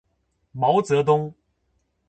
毛泽东